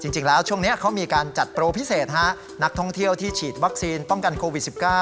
จริงแล้วช่วงนี้เขามีการจัดโปรพิเศษนักท่องเที่ยวที่ฉีดวัคซีนป้องกันโควิด๑๙